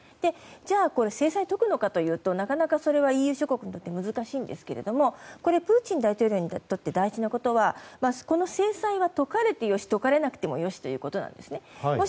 じゃあ制裁を解くのかといえばなかなかＥＵ諸国にとって難しいんですがプーチン大統領にとって大事なことはこの制裁が解かれても良し解かれなくても良しと。